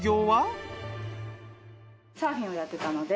サーフィンをやってたので。